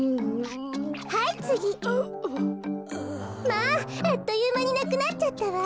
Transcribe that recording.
まああっというまになくなっちゃったわ。